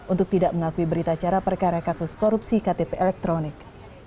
untuk tidak mengakui berita acara perkara kasus korupsi ktp elektronik